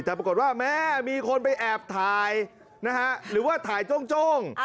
แต่ปรากฏว่าแม่มีคนไปแอบถ่ายนะฮะหรือว่าถ่ายโจ้ง